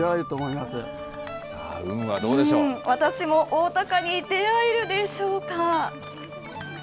オオタカに出会えるでしょうか。